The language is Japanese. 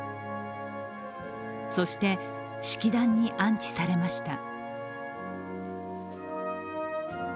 そして、式壇に安置されました。